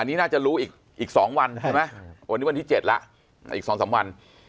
อันนี้น่าจะรู้อีก๒วันใช่ไหมวันนี้วันที่๗แล้วอีก๒๓วัน